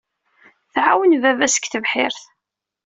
Tɛawen baba-s deg tebḥirt.